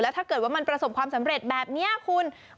ถ้าเกิดว่ามันประสบความสำเร็จแบบนี้คุณ